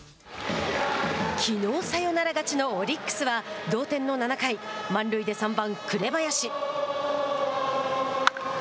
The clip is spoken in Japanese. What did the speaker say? きのうサヨナラ勝ちのオリックスは同点の７回、満塁で三番紅林。